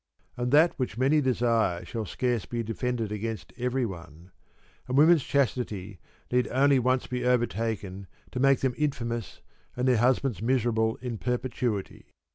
And that which many desire shall scarce be defended against everyone ; and •women's chastity need only once be overtaken to make them infamous and their husbands miserable in per petuity.